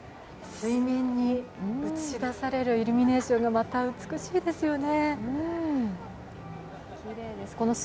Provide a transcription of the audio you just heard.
水面に映し出されるイルミネーションがまた美しいですよね。